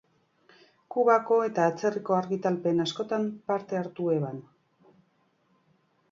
Kubako eta atzerriko argitalpen askotan parte hartu zuen.